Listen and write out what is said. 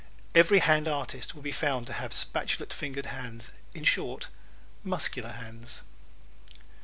Every hand artist will be found to have spatulate fingered hands in short, muscular hands.